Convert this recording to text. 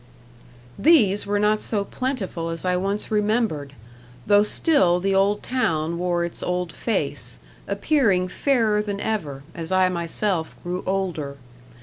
These were not so plentiful as I once remembered, though still the old town wore its old face appearing fairer than ever, as I myself grew older.